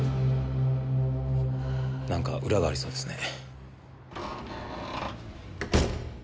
なんか裏がありそうですね。